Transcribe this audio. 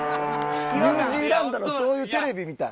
ニュージーランドのそういうテレビみたい。